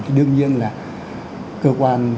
thì đương nhiên là cơ quan